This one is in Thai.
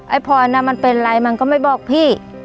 ไอ้พรนะมันเป็นอะไรมันก็ไม่บอกพี่